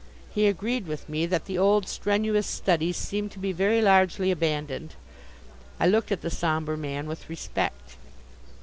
He agreed with me that the old strenuous studies seem to be very largely abandoned. I looked at the sombre man with respect.